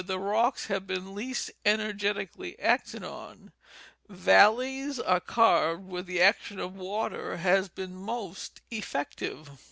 the rocks have been least energetically acted on, valleys are carved where the action of water has been most effective.